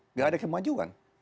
nggak ada kemajuan